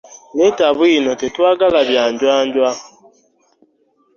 Leeta bwino tetwagala bya njwanjwa.